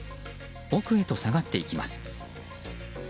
奥へと下がっていきます。